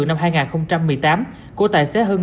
năm hai nghìn một mươi tám của tài xế hưng